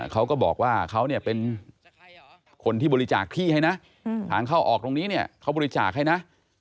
เขาก็บอกว่าเขาเนี่ยเป็นคนที่บริจาคที่ให้นะทางเข้าออกตรงนี้เนี่ยเขาบริจาคให้นะ